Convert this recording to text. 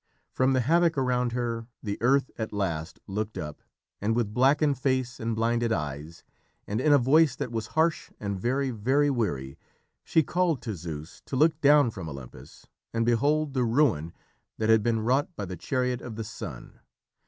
From the havoc around her, the Earth at last looked up, and with blackened face and blinded eyes, and in a voice that was harsh and very, very weary, she called to Zeus to look down from Olympus and behold the ruin that had been wrought by the chariot of the Sun.